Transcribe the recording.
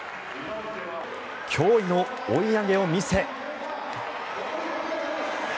驚異の追い上げを見せ。